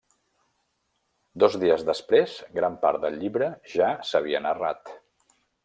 Dos dies després, gran part del llibre ja s'havia narrat.